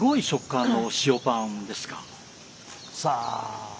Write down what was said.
さあ。